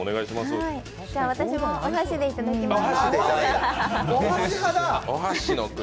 私もお箸でいただきます。